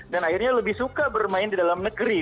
dan akhirnya lebih suka bermain di dalam negeri